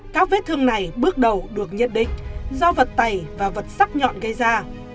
các vết thương này bước đầu được nhận định do vật tày và vật sắc nhọn gây ra